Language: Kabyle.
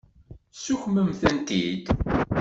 Ssukksemt-tent-id.